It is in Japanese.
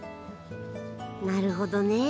なるほどね。